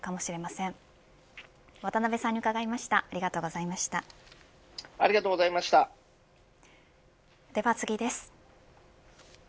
では次です。